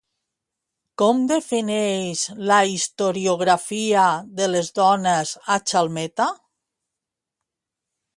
Com defineix la historiografia de les dones a Chalmeta?